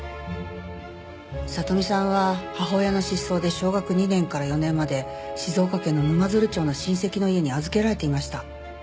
聖美さんは母親の失踪で小学２年から４年まで静岡県の沼鶴町の親戚の家に預けられていました。